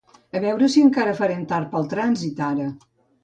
A veure si encara farem tard pel trànsit, ara.